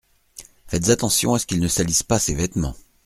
Faites attention à ce qu’il ne salisse pas ses vêtements.